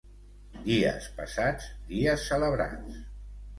Dies passats, dies celebrats.